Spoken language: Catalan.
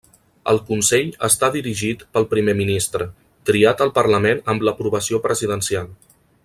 El Consell està dirigit pel Primer Ministre, triat al parlament amb l'aprovació presidencial.